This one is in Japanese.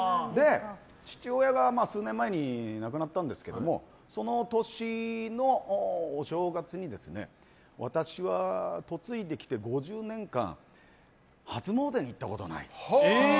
父親が数年前に亡くなったんですけどもその年のお正月に私は、嫁いできて５０年間初詣に行ったことないと。